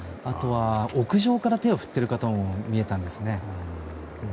屋上から手を振っている方も見えたんですね。